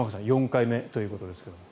４回目ということですけれども。